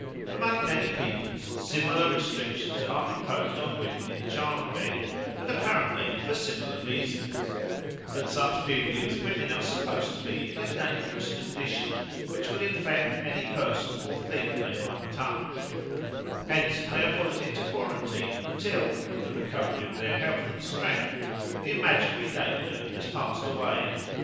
Among many peoples similar restrictions are imposed on women in childbed and apparently for similar reasons; at such periods women are supposed to be in a dangerous condition which would infect any person or thing they might touch; hence they are put into quarantine until, with the recovery of their health and strength, the imaginary danger has passed away.